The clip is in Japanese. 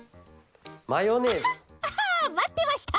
アハまってました！